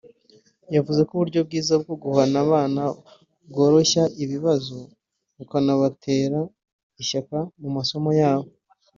yavuze ko uburyo bwiza bwo guhana abana bworoshya ibibazo bukanabatera ishyaka mu masomo yabo